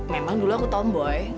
memang dulu aku tomboy